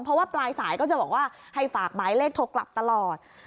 เพราะว่าปลายสายก็จะบอกว่าให้ฝากหมายเลขโทรกลับตลอด